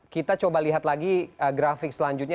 kita coba lihat lagi grafik selanjutnya